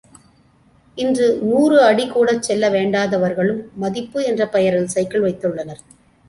இன்று நூறு அடி கூடச் செல்ல வேண்டாதவர்களும் மதிப்பு என்ற பெயரில் சைக்கிள் வைத்துள்ளனர்.